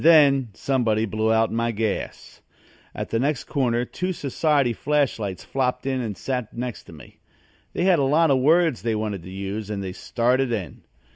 And then somebody blew out my gas. At the next corner two society flash lights flopped in and sat next to me. They had a lot of words they wanted to use and they started in.